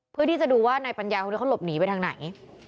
เพื่อที่จะดูว่านายปัญญาคนนี้เขาหลบหนีไปทางไหน